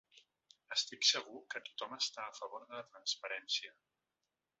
Estic segur que tothom està a favor de la transparència.